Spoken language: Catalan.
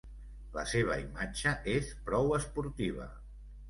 La seva imatge és prou esportiva.